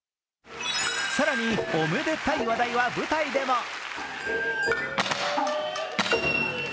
更におめでたい話題は舞台でも。